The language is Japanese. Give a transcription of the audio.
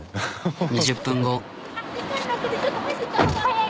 ２０分後。